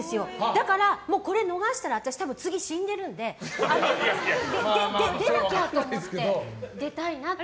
だから、これ逃したら私次、死んでるので出なきゃと思って出たいなって。